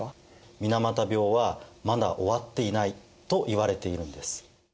水俣病はまだ終わっていないと言われているんです。